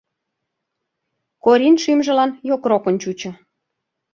Корин шӱмжылан йокрокын чучо.